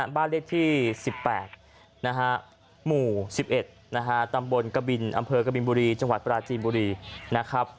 บ้านเลขที่๑๘หมู่๑๑ตำบลกบินอำเภอกบินบุรีจังหวัดปราจีนบุรีนะครับ